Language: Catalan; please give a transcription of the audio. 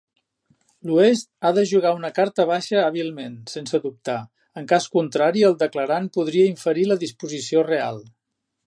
L'oest ha de jugar una carta baixa hàbilment, sense dubtar. En cas contrari, el declarant podria inferir la disposició real.